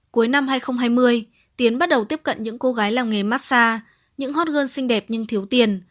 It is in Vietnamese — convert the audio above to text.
cuối năm hai nghìn hai mươi tiến bắt đầu tiếp cận những cô gái làm nghề massage những hot girl xinh đẹp nhưng thiếu tiền